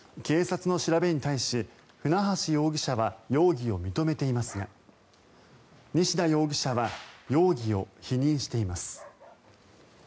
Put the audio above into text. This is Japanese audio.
警察の調べに対し、船橋容疑者は容疑を認めていますが西田容疑者は容疑を否認しています。